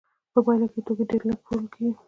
په پایله کې توکي ډېر لږ پلورل کېږي